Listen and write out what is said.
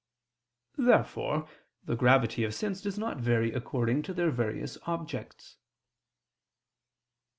Therefore the gravity of sins does not vary according to their various objects.